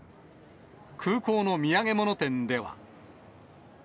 空港の土産物店では。